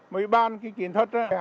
mới ban cái chiến thuật